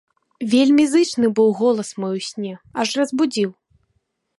Вельмі зычны быў голас мой у сне, аж разбудзіў.